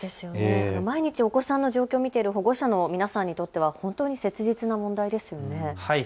毎日お子さんの状況、見ている保護者の皆さんにとっては本当に切実な問題ですよね。